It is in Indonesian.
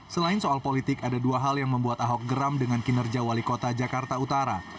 selain soal politik ada dua hal yang membuat ahok geram dengan kinerja wali kota jakarta utara